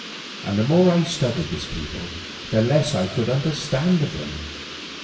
And the more I studied this people the less I could understand of them.